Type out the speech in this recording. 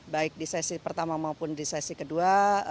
baik di sesi pertama maupun di sesi kedua